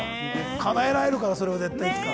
かなえられるから、それは絶対、いつか。